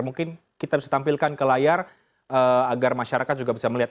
mungkin kita bisa tampilkan ke layar agar masyarakat juga bisa melihat